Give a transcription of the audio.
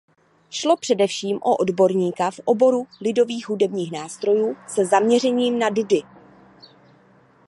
Šlo především o odborníka v oboru lidových hudebních nástrojů se zaměřením na dudy.